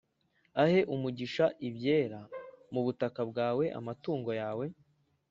ahe umugisha ibyera mu butaka bwawe, amatungo yawe,